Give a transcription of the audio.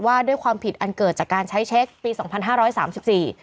ว่าด้วยความผิดอันเกิดจากการใช้เช็คปีสองพันห้าร้อยสามสิบสี่